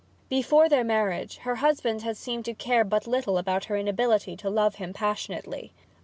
Before their marriage her husband had seemed to care but little about her inability to love him passionately.